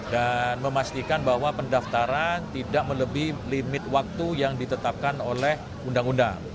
dan memastikan bahwa pendaftaran tidak melebih limit waktu yang ditetapkan oleh undang undang